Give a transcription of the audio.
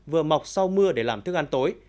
vừa mọc sau mưa để làm thức ăn tối